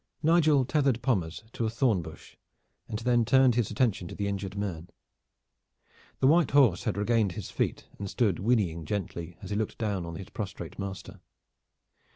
Nigel tethered Pommers to a thorn bush and then turned his attention to the injured man. The white horse had regained his feet and stood whinnying gently as he looked down on his prostrate master.